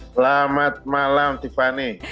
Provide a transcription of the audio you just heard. selamat malam tiffany